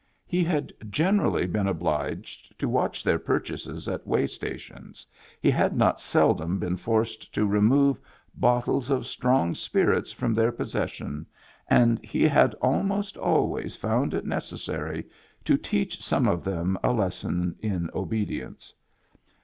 He had gen erally been obliged to watch their purchases at way stations, he had not seldom been forced to remove bottles of strong spirits from their posses sion, and he had almost always found it necessary to teach some of them a lesson in obedience.